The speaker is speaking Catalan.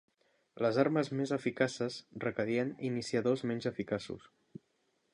Les armes més eficaces requerien iniciadors menys eficaços.